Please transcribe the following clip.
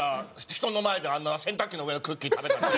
人の前であんな洗濯機の上のクッキー食べたって。